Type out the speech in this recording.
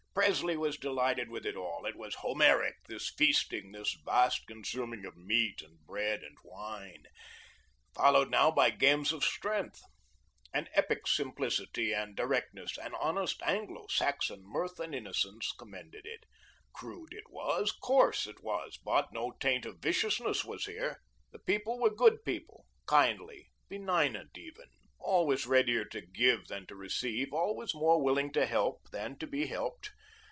Presley was delighted with it all. It was Homeric, this feasting, this vast consuming of meat and bread and wine, followed now by games of strength. An epic simplicity and directness, an honest Anglo Saxon mirth and innocence, commended it. Crude it was; coarse it was, but no taint of viciousness was here. These people were good people, kindly, benignant even, always readier to give than to receive, always more willing to help than to be helped.